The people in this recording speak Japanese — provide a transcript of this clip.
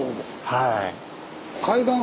はい。